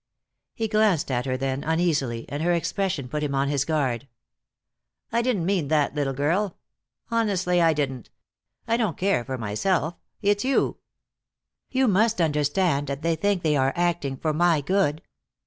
He glanced at her then uneasily, and her expression put him on his guard. "I didn't mean that, little girl. Honestly I didn't. I don't care for myself. It's you." "You must understand that they think they are acting for my good.